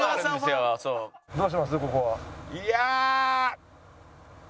いや。